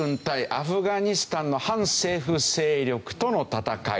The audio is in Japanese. アフガニスタンの反政府勢力との戦い。